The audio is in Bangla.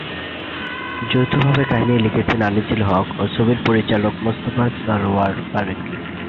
যৌথভাবে কাহিনি লিখেছেন আনিসুল হক ও ছবির পরিচালক মোস্তফা সরয়ার ফারুকী।